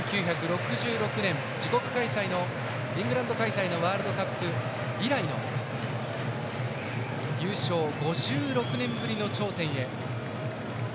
１９６６年、自国開催イングランド開催のワールドカップ以来の優勝５６年ぶりの頂点へ。